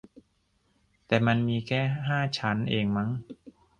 แต่มันมีแค่ห้าชั้นเองมั้ง